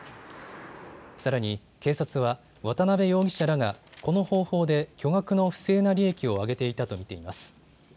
さらに警察は渡部容疑者らがこの方法で巨額の不正な利益を上げていたと見ています。